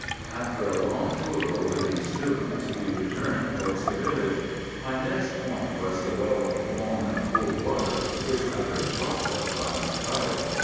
After a long tour over these tombs, we returned towards the village. My next point was the well of warm and cold water which I heard talked of by my guide.